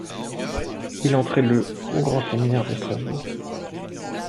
Il entrait le au Grand Séminaire de Strasbourg.